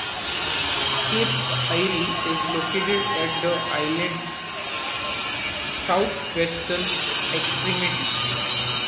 Cape Airy is located at the island's southwestern extremity.